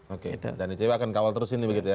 oke dan icw akan kawal terus ini begitu ya